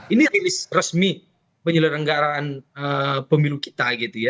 ini rilis resmi penyelenggaraan pemilu kita gitu ya